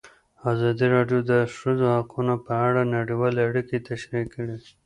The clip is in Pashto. ازادي راډیو د د ښځو حقونه په اړه نړیوالې اړیکې تشریح کړي.